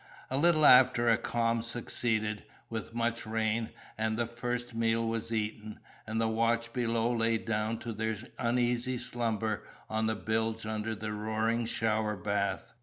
A little after a calm succeeded, with much rain; and the first meal was eaten, and the watch below lay down to their uneasy slumber on the bilge under a roaring shower bath.